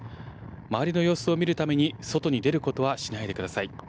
周りの様子を見るために、外に出ることはしないでください。